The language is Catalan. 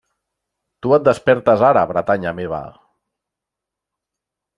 Tu et despertes ara Bretanya meva!